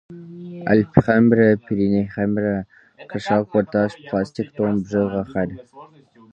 Алъпхэмрэ Перинейхэмрэ къыщагъуэтащ пластик тонн бжыгъэхэр.